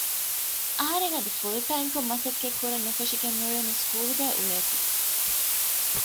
އަހަރެން އަދި ފުލް ޓައިމްކޮށް މަސައްކަތްކުރަން ނުފެށިގެން މިއުޅެނީ ސްކޫލުގައި އުޅޭތީ